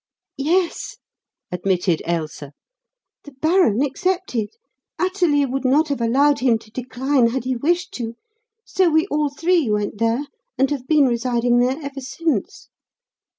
"Yes," admitted Ailsa. "The baron accepted Athalie would not have allowed him to decline had he wished to so we all three went there and have been residing there ever since.